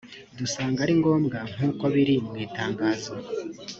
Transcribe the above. dusanga ari ngombwa nkuko biri mu itangazo